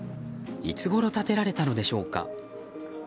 いつごろ建てられたのでしょうか。